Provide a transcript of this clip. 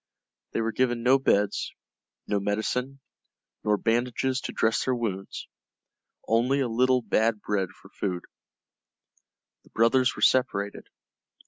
They were given no beds, no medicine, nor bandages to dress their wounds, only a little bad bread for food. The brothers were separated.